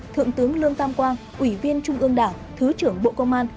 thượng tướng lương tam quang ủy viên trung ương đảng thứ trưởng bộ công an